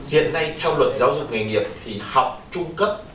hiện nay theo luật giáo dục nghề nghiệp thì học trung cấp